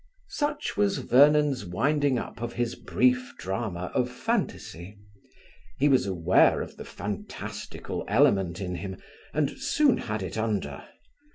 Such was Vernon's winding up of his brief drama of fantasy. He was aware of the fantastical element in him and soon had it under.